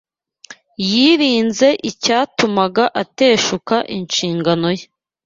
Yirinze icyatuma ateshuka inshingano ye.